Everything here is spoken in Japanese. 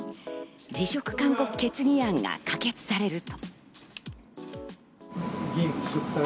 辞職勧告決議案が可決されると。